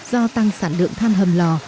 do tăng sản lượng than hầm lò